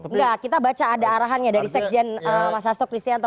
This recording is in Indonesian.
enggak kita baca ada arahannya dari sekjen mas hasto kristianto